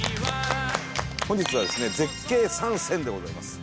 「」「本日はですね絶景３選でございます」